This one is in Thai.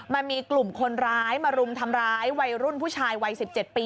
มันมีกลุ่มคนร้ายมารุมทำร้ายวัยรุ่นผู้ชายวัย๑๗ปี